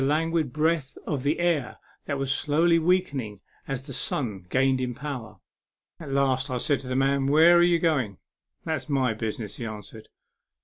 79 languid breath of the air that was slowly weakening as the sun gained in power. At last I said to the man, " Where are you going ?"" That's my business," he answered.